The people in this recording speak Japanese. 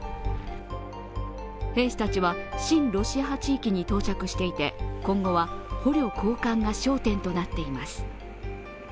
兵士たちは親ロシア派地域に到着していて今後は捕虜交換が焦点となっています。